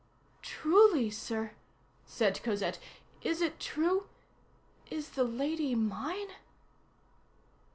"Truly, sir?" said Cosette. "Is it true? Is the 'lady' mine?"